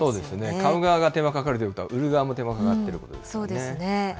買う側が手間がかかるということは、売る側も手間がかかっているということですよね。